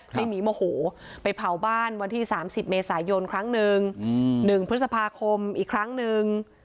ในหมีโมโหไปเผาบ้านวันที่๓๐เมษายนครั้งหนึ่ง๑พฤษภาคมอีกครั้งหนึ่ง